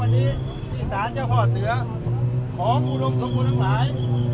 วันนี้ที่ศาลเจ้าพ่อเสือขอบุรุมของคุณทั้งหลาย